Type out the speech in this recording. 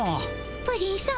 プリンさま